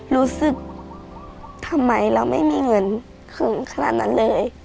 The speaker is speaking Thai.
รู้สึกทำไมเราไม่มีเงินถึงขนาดนั้นเลย